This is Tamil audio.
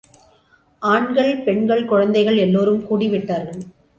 ஆண்கள், பெண்கள், குழந்தைகள் எல்லோரும் கூடிவிட்டார்கள்.